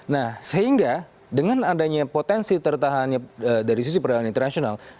nah sehingga dengan adanya potensi tertahannya dari sisi perdagangan internasional